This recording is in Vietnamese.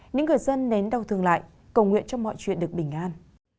những người dân nén đau thương lại cầu nguyện cho mọi chuyện được bình an